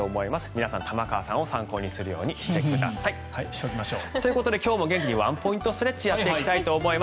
皆さん、玉川さんを参考するようにしてください。ということで今日も元気にワンポイントストレッチをやっていきます。